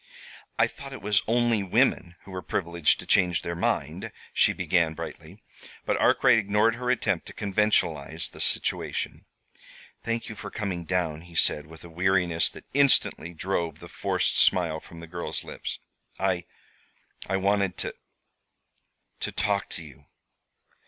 "I thought it was only women who were privileged to change their mind," she began brightly; but Arkwright ignored her attempt to conventionalize the situation. "Thank you for coming down," he said, with a weariness that instantly drove the forced smile from the girl's lips. "I I wanted to to talk to you."